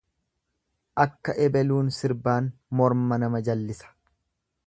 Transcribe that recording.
Akka ebaluun sirbaan morma nama jallisa.